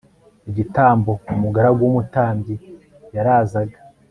igitambo umugaragu w umutambyi yarazaga